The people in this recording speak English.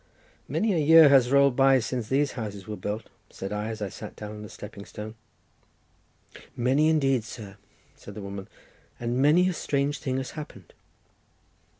"Many a year has rolled by since these houses were built," said I, as I sat down on a stepping stone. "Many, indeed, sir," said the woman, "and many a strange thing has happened."